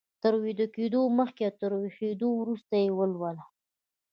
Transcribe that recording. تر ويده کېدو مخکې او تر ويښېدو وروسته يې ولولئ.